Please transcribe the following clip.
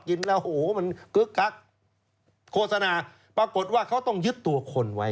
ยิ้มแล้วโฆษณาปรากฏว่าเขาต้องยึดตัวคนไว้